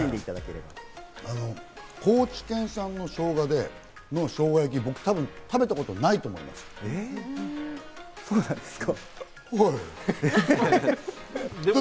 高知県産のしょうがを使ったしょうが焼き、僕、食べたことないと思います、多分。